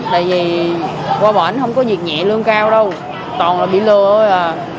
tại vì qua bển không có việc nhẹ lương cao đâu toàn là bị lừa thôi à